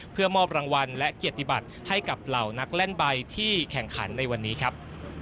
เพื่อมอบรางวัลและเกียรติบัติให้กับเหล่านักเล่นใบที่แข่งขันในวันนี้ครับ